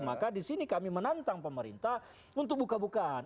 maka disini kami menantang pemerintah untuk buka bukaan